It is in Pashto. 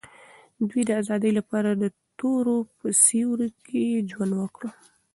دوی د آزادۍ لپاره د تورو په سیوري کې ژوند وکړ.